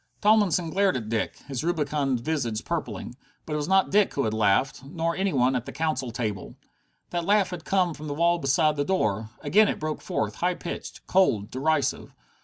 Tomlinson glared at Dick, his rubicund visage purpling. But it was not Dick who had laughed. Nor any one at the council table. That laugh had come from the wall beside the door. Again it broke forth, high pitched, cold, derisive.